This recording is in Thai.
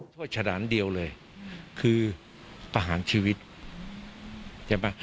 โทษชะดานเดียวเลยคือประหารชีวิตเห็นป่ะ